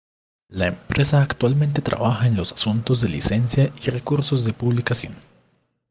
La empresa actualmente trabaja en los asuntos de licencia y recursos de publicación.